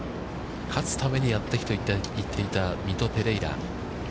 勝つためにやってきたと言っていたミト・ペレイラ。